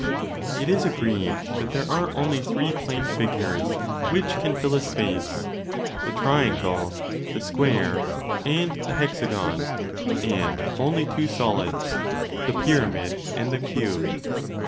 It is agreed that there are only three plane figures which can fill a space, the triangle, the square, and the hexagon, and only two solids, the pyramid and the cube.?